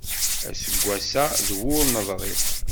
Aseggas-a d wur neḍṛi.